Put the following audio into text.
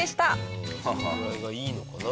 これぐらいがいいのかな